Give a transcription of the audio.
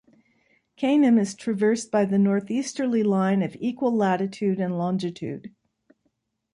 Kanem is traversed by the northeasterly line of equal latitude and longitude.